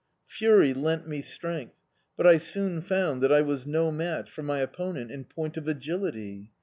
Fury lent me strength, but I soon found that I was no match for my opponent in point of agility...